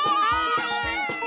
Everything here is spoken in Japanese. はい。